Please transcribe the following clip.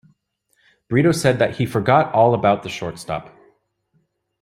Brito said that he "forgot all about the shortstop".